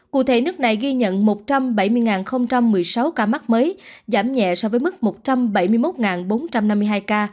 cụ thể nước này ghi nhận một trăm bảy mươi một mươi sáu ca mắc mới giảm nhẹ so với mức một trăm bảy mươi một bốn trăm năm mươi hai ca